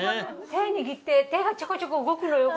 手握って手がちょこちょこ動くのよ。